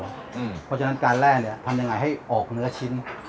เพราะฉะนั้นการแร่ทำยังไงให้ออกเนื้อชิ้น